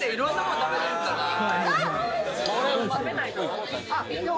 食べないの？